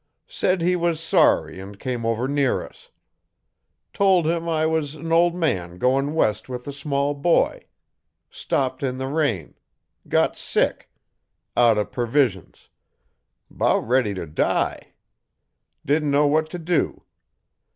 Said he was sorry an' come over near us. Tol' him I was an' ol' man goin' west with a small boy. Stopped in the rain. Got sick. Out o' purvisions. 'Bout ready t' die. Did'n know what t' do.